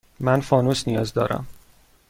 من فانوس نیاز دارم.